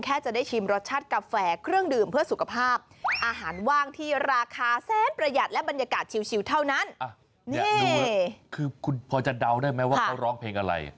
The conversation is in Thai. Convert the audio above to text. คือคุณพอจะดาวน์ได้ไหมว่าเขาร้องเพลงอะไร